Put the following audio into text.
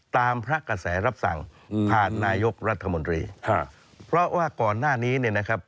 พระกระแสรับสั่งผ่านนายกรัฐมนตรีฮะเพราะว่าก่อนหน้านี้เนี่ยนะครับ